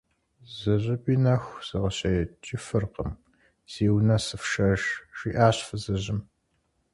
- Зыщӏыпӏи нэху сыкъыщекӏыфыркъым, си унэ сыфшэж, – жиӏащ фызыжьым.